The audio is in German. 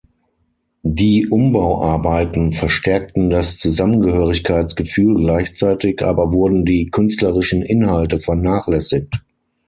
Die Umbauarbeiten verstärkten das Zusammengehörigkeitsgefühl, gleichzeitig aber wurden die künstlerischen Inhalte vernachlässigt.